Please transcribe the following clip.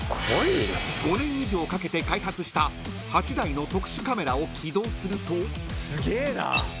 ［５年以上かけて開発した８台の特殊カメラを起動すると］